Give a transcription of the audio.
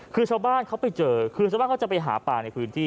คือชาวบ้านเขาไปเจอคือชาวบ้านเขาจะไปหาปลาในพื้นที่